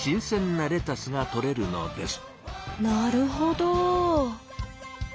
なるほど。